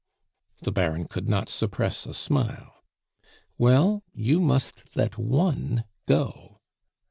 The Baron could not suppress a smile. "Well, you must let one go."